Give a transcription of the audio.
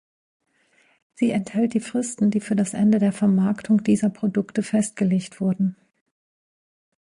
Sie enthält die Fristen, die für das Ende der Vermarktung dieser Produkte festgelegt wurden.